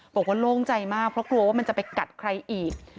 โล่งใจมากเพราะกลัวว่ามันจะไปกัดใครอีก